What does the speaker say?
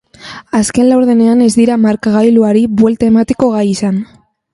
Azken laurdenean ez dira markagailuaru buelta emateko gai izan.